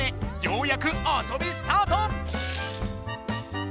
ようやく遊びスタート！